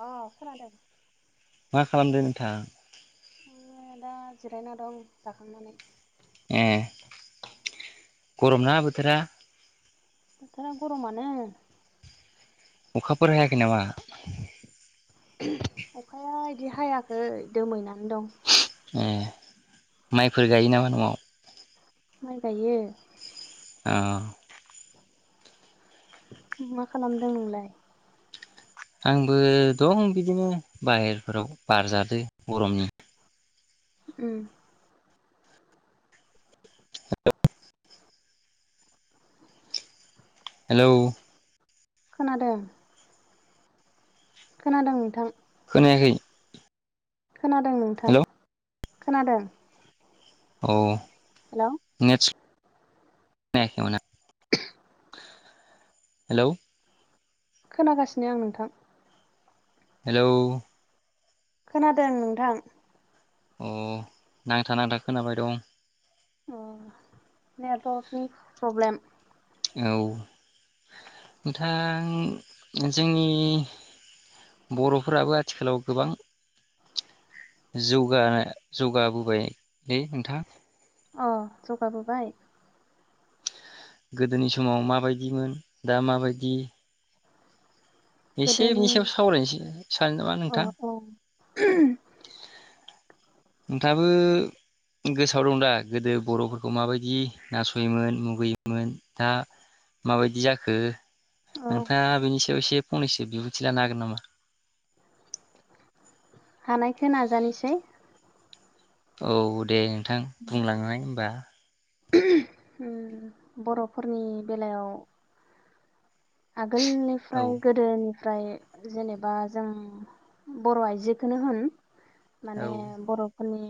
अ खोनादों मा खालामदों नोंथाङा ओ दा जिरायना दं जाखांनानै ए गरम नङा बोथोरा बोथोरा गरमानो अखाफोर हायाखै नामा अखाया बिदि हायाखै दोमैनानै दं ए माइफोर गायो नामा न'आव। माइ गायो। औ मा खालामदों नोंलाय? आंबो दं बिदिनो बाहेरफोराव बारजादो गरमनि। उम हेलौ खोनादों खोनादों नोंथां। खोनायाखै। खोनादों नोंथां। हेलौ खोनादों। औ हेलौ नेटच दे होनबाना। [inaudible] हेलौ खोनागासिनो आं नोंथां। हेलौ खोनादों नोंथां। अ नांथा नांथा खोनाबाय दं। उम नेटवारकनि प्रब्लेम। औ नोंथां जोंनि बर'फोराबो आथिखालाव गोबां जौगा जौगाबोबाय लै नोंथां। अ जौगाबोबाय गोदोनि समाव माबायदिमोन दा माबायदि एसे गोदोनि बेनि सायाव सावरायनोसै सानो नामा अ नोंथां। [inaudible] नोंथाङाबो गोसोआव दं दा गोदो बर'फोरखौ माबायदि नासयोमोन मुगैयोमोन दा माबायदि जाखो अ नोंथाङा बेनि सायाव एसे फंनैसो बिबुंथि लानो हागोन नामा। हानायखो नाजानोसै। औ दे नोंथां बुंलांनाय होनबा उम बर'फोरनि बेलायाव आगोल औ निफ्राय गोदोनि ओमफ्राय जेनेबा जों बर' आइजोखौनो होन औ माने बर'फोरनि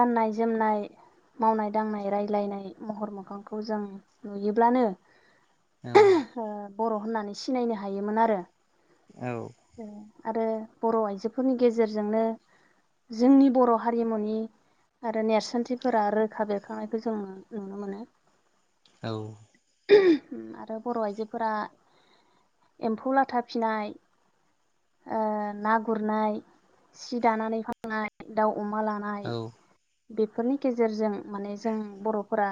गाननाय जोमनाय मावनाय दांनाय रायलायनाय महर मोखांखौ जों नुयोब्लानो औ ओ बर' होननानै सिनायनो हायोमोन आरो औ आरो बर' आइजोफोरनि गेजेरजोंनो जोंनि बर' हारिमुनि आरो नेरसोनथिफोरा रोखा बेरखांनायखौ जों नु नुनो मोनो। औ आरो बर' आइजोफोरा एम्फौ लाथा फिनाय ओ ना गुरनाय सि दानानै फाननाय दाउ अमा लानाय औ बेफोरनि गेजेरजों माने जों बरफोरा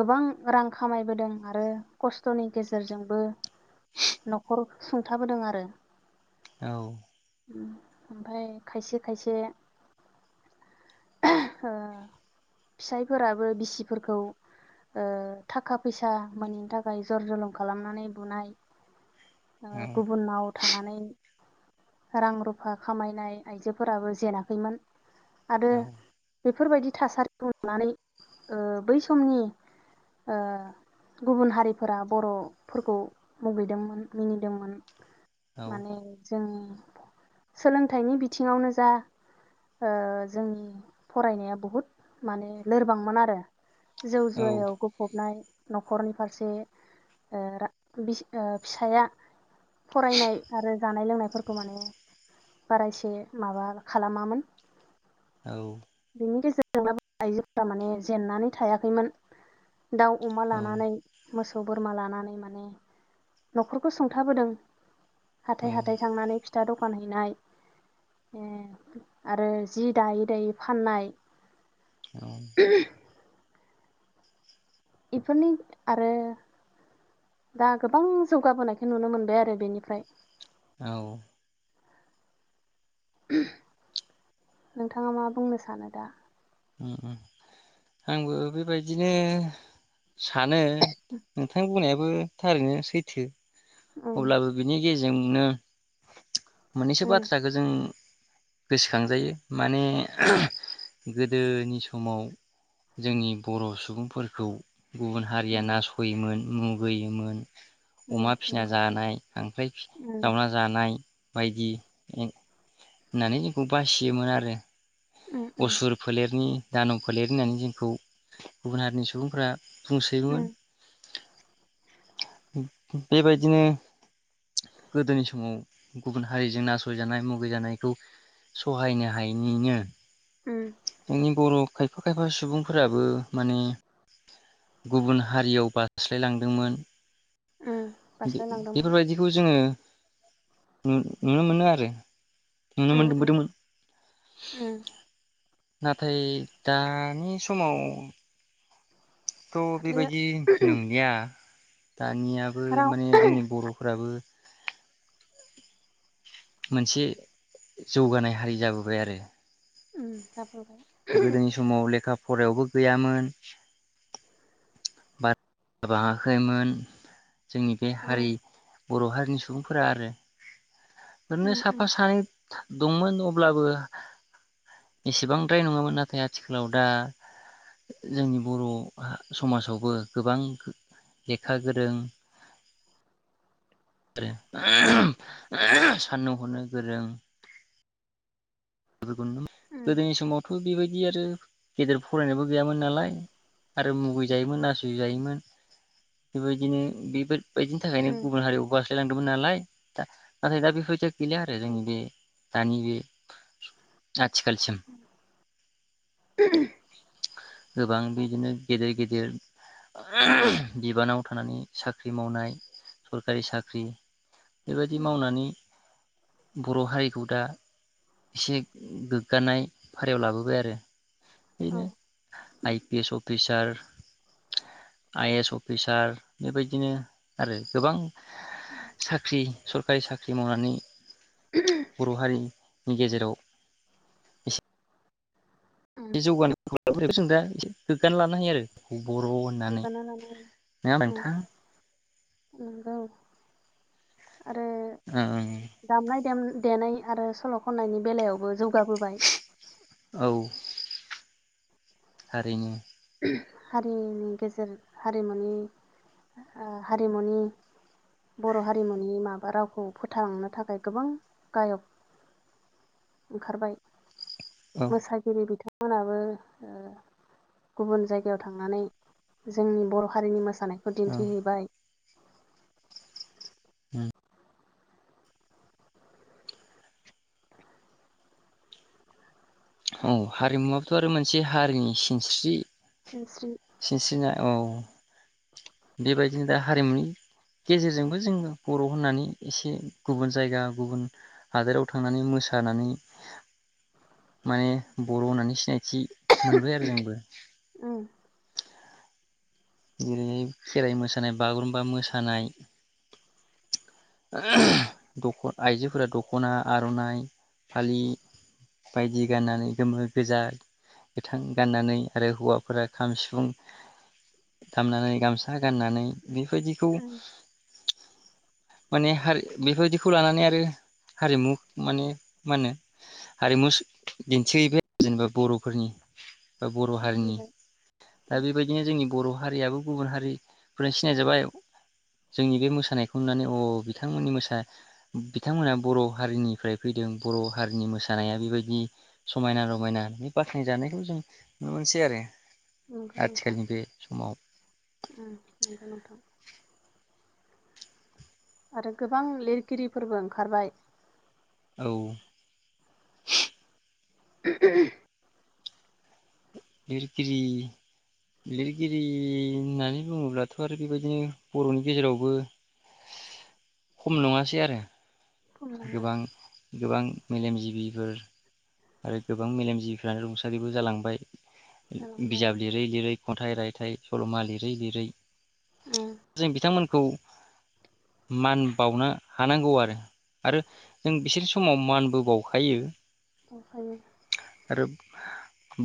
गोबां रां खामायबोदों आरो खस्थनि गेजेरजोंबो नखर सुंथाबोदों आरो औ ओमफाय खायसे खायसे ओ फिसायफोराबो बिसिफोरखौ ओ थाखा फैसा मोनैनि थाखाय जर जलुम खालामनानै बुनाय ओ औ गुबुनाव थानानै रां रुफा खामायनाय आइजोफोराबो जेनाखैमोन। आरो बेब बेफोरबायदि थासारिखौ नुनानै ओ बै समनि ओ गुबुन हारिफोरा बरफोरखौ मुगैदोंमोन मिनिदोंमोन। माने जों सोलोंथाइनि बिथिङावनो जा ओ जोंनि फरायनाया बहुद माने लोरबांमोन आरो। जौ जुयायाव ग फ्राय नखरनि फारसे ओ रां बिस फिसाया फरायनाय आरो जानाय लोंनायफोरखौ माने बारायसे माबा खालामामोन। औ। बिनि गेजेरजोंबाबो आइजोफोरा माने जेननानै थायाखैमोन। दाउ अमा लानानै। मोसौ बोरमा लानानै माने नखरखौ सुंथाबोदों। हाथाय हाथाय थांनानै फिथा दखान हैनाय ए आरो जि दायै दायै फाननाय। [unintelligible] इफोरनि आरो दा गोबां जौगाबोनायखौ नुनो मोनबाय आरो बेनिफ्राय औ। नोंथाङा मा बुंनो सानो दा? उम उम आंबो बेबायदिनो सानो नोंथांनि बुंनायाबो बो थारैनो सैथो। उम अब्लाबो बिनि गेजेर जोंनो मोननैसो उम बाथ्राखौ‌ जों गोसोखांजायो माने गोदोनि समाव जोंनि बर' सुबुंफोरखौ गुबुन हारिया नासयोमोन मुगैयोमोन उम अमा फिसिना नंगौ जानाय खांख्राय फि उम जावना जानाय बायदि एं होननानै जोंखौ बासियोमोन आरो उम उम नि दानब फोलेर होननानै जोंखौ गुबुन हारिनि सुबुंफ्रा बुंसोयोमोन उम बेबायदिनो गोदोनि समाव गुबुन हारिजों नासयजानाय मुगैजानायखौ सहायनो हायैनिनो उम जोंनि बरफ खायफा खायफा सुबुंफोराबो माने गुबुन हारियाव बास्लायलांदोंमोन उम बे बास्लायलांदोंमोन बेफोरबायदिखौ जोङो नु नुनो मोनो आरो नुनो उम उम मोनबोदोंमोन उम नाथाय दानि समाव थ' आरो बेबायदि नंलिया दानियाबो राव माने जोंनि बर'फोराबो मोनसे जौगानाय हारि जाबोबाय आरो उम जाबोबाय गोदोनि समाव लेखा फरायायावबो गैयामोन जाबाङाखैमोन जोंनि बे उम हारि बर' हारिनि सुबुंफोरा आरो ओरैनो उम साफा उम सानै दंमोन अब्लाबो एसेबांद्राय नङामोन नाथाय आथिखालाव दा जोंनि बर' समाजावबो गोबां लेखा गोरों आरो [unintelligible] उम गोदोनि समावथ' बेबाय दि आरो गेदेर फरायनायबो गैयामोन नालाय आरो मुगै जायोमोन नासय जायोमोन बेबायदिनो बेबाय बेबायदिनि थाखायनो उम गुबुन हारियाव बारस्लायलांदोंमोन नालाय दा नाथाय दा बेफोर बायदि गैला आरो जोंनि बे दानि बे आथिखालसिम [inaudible] गोबां बिदिनो गेदेर गेदेर बिबानाव थानानै साख्रि मावनाय सरखारि साख्रि बेबायदि उम मावनानै बर' हारिखौ दा एसे गोग्गानाय फारियाव लाबोबाय आरो औ बेनो आइ P S officer I S officer बेबायदिनो आरो गोबां साख्रि सरकारि सा ख्रि मावनानै बर' हारिनि गेजेराव उम बे जौगानाय हखौ सों दा एसे गोगान लानो हायो आरो बर' होननानै बिबाना लानाय ना उम नोंथां? नंगौ। आरो ओं दामनाय देम देनाय आरो सल' खननायनि बेलायावबो जौ गाबोबाय औ थारैनो हारिनि गेजेर हारिमुनि हारिमुनि बर' हारिमुनि माबा रावखौ फोथांनो थाखाय गोबां गायक ओंखारबाय औ मोसागिरि बिथां मोनाबो गुबुन जायगायाव थांनानै जोंनि बर' हारिनि मो मोसानायखौ औ दिन्थिहैबाय होम औ हारिमुवाबोथ' आरो मोनसे हारिनि सिनस्रि सिनस्रि सिनसिना औ। बेबादिनोदा हारिमुनि गेजेरजोंबो जों बर होननानै एसे गुबुन जायगा गुबुन हादोराव थांनानै मोसानानै माने बर होननानै सिनायथि मोनबायआरो जोंबो। उम जेरै खेराइ मोसानाय बागुरुम्बा मोसानाय दख आइजोफोरा दखना आरनाइ फालि बायदि गाननानै गोमो गोजा गोथां गाननानै आरो हौवाफोरा खाम सिफुं खाम लानानै गामसा गाननानै बि फायदिखौ उम माने हारि बेफोबादिखौ लानानै आरो हारिमु माने माहोनो हारिमु सो दिन्थिहैबाय जेनेबा बरफोरनि। बा बर हारिनि दिन्थिहैबाय दा बेबायदिनो जोंनि बर हारियाबो गुबुन हारिफोरजों सिनायजाबाय जोंनि बे मोसानायखौ नुनानै अ बिथांमोननि मोसा बिथांमोनहा बर' हारिनिफ्रायफैदों बर' हारिनि मोसानाया बेबायदि समायना रमायना बे बाख्नाय जानायखौजों नुनो मोनसै आरो। नंगौ नोंथां। आथिखालनि बे समाव उम नंगौ नोंथां। [inaudible] आरो गोबां लिरगिरि फोरबो ओंखारबाय। औ। [inaudible] लिरगिरि लिरगिरि होननानै बुङोब्लाथ आरो बेबायदिनो बर'नि गेजेरावबो खम नङासै आरो। थुनलाइबो गोबां गोबां। मेलेम जिबिफोर आरो गोबां मेलेम जिबिफ्रानो रुंसारिबो जालांबाय। जालांबाय बिजाब लिरै लिरै। खन्थाइ रायथाइ सलमा लिरै लिरै। उम जों बिथांमोनखौ। मान बाउनो हानांगौआरो आरो जों बिसोरनि समाव मानबो बाउखायो। [unintelligible] आरो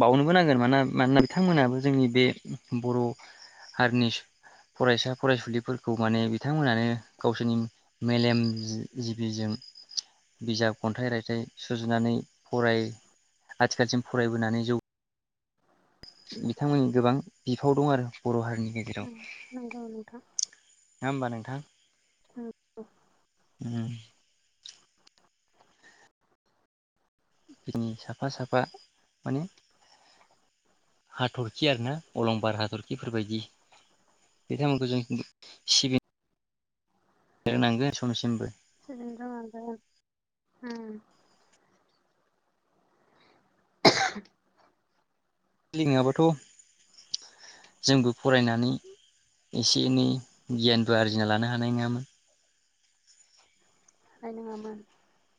बावनोबो नांगोन मानना मानोना बिथांमोनाबो जोंनि बे बर हारिनि फरायसा फरायसुलिफोरखौ माने बिथांमोनानो गावसोरनि मेलेम जि-जिबिजों बिजाब खन्थाइ रायथाइ सुजुनानै। फराय आथिखालसिम फरायबोनानै जौ बिथांमोननि गोबां बिफाव दंआरो बर हारिनि। गेजेराव उम नगौ नोंथां। नङाहोमबा नोंथां। उम उम उम। बिनि साफा साफा माने हाथरखि आरोना अलंबार हाथरखिफोरबायदि बिथांमोनखौजों सिबि रोंनांगोन समसिमबो सिबिनो रोंनांगोन ओं उम। [inaudible] खिलिं नङाबाथ' जोंबो फरायनानै एसे एनै गियानबो आरजिनालानो हानायनङामोन। हानाय नोङामोन।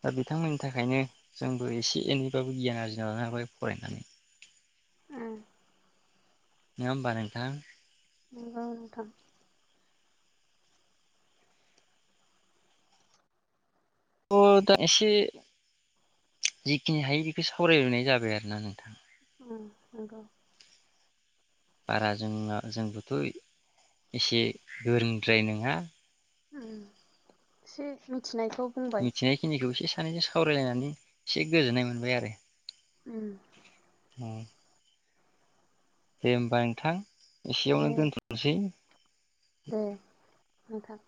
दा बिथांमोननि थाखायनो जोंबो एसे एनैबाबो गियान आरजिना लानोहाबाय फरायनानै। उम नाङाहोमबा नोंथां। नंगौ नोंथां। थ' दा एसे जिखिनि हायो बेखौ सावरायनाय जाबाय आरोना नोंथां उम नंगौ बारा जों जोंबोथ' एसे गोरोंद्राय नोङा उम एसे मि मिथिनाय खिनिखौ एसे सानैजों सावरायलायनानै एसे गोजोननाय मोनबाय आरो उम औ दे होबा नोंथां एसेयावनो दे दोनथ'नोसै दे नोंथां